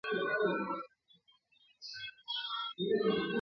چا په میاشت او چا په کال دعوه ګټله ..